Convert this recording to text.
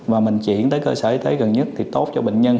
và mình chuyển tới cơ sở y tế gần nhất thì tốt cho bệnh nhân